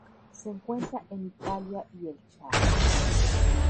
Se encuentra en Italia y el Chad.